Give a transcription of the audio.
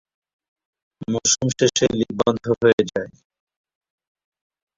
মৌসুম শেষে লীগ বন্ধ হয়ে যায়।